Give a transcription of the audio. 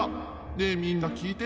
ねえみんなきいて。